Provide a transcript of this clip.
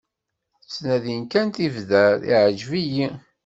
Ttnadin kan tibdar "iɛǧeb-iyi".